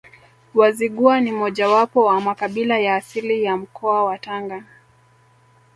Wazigua ni mojawapo wa makabila ya asili ya mkoa wa Tanga